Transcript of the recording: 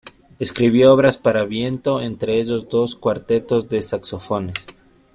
Escribió obras para viento, entre ellos dos cuartetos de saxofones.